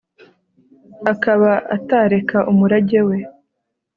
akaba atareka umurage we